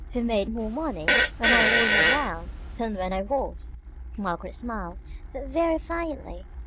We made more money when I wasn't 'round than when I was!" Margaret smiled, but very faintly.